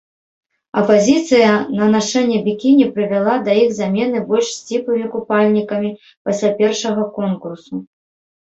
Апазіцыя на нашэнне бікіні прывяла да іх замены больш сціплымі купальнікамі пасля першага конкурсу.